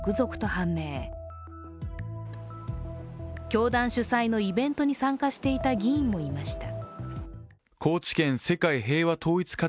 教団主催のイベントに参加していた議員もいました。